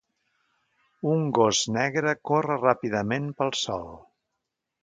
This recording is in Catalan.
Un gos negre corre ràpidament pel sòl